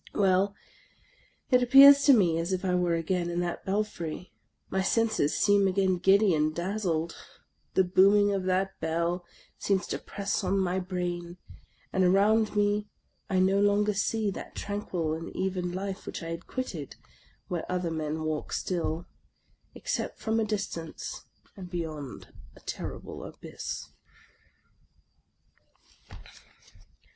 Well, it appears to me as if I were again in that belfry ; my senses seem again giddy and dazzled ; the booming of that bell seems to press on my brain, and around me I no longer see that tranquil and even life which I had quitted (where other men walk still) except from a distance, and beyond a terrible abyss.